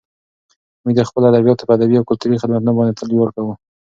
موږ د خپلو ادیبانو په ادبي او کلتوري خدمتونو باندې تل ویاړ کوو.